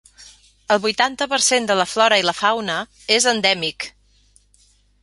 El vuitanta per cent de la flora i la fauna és endèmic.